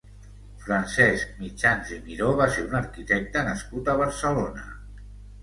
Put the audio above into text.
Francesc Mitjans i Miró va ser un arquitecte nascut a Barcelona.